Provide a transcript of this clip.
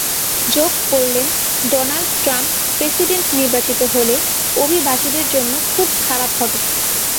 যোগ করলেন, Donald Trump president নির্বাচিত হলে অভিবাসীদের জন্য খুব খারাপ হবে।